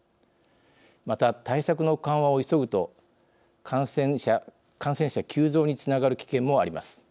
また、対策の緩和を急ぐと感染者急増につながる危険もあります。